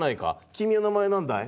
君の名前は何だい？